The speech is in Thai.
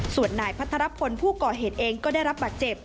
ส่วนนายพัทรพลผู้ก่อเหตุเองก็ได้รับบาดเจ็บ